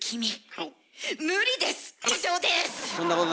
はい。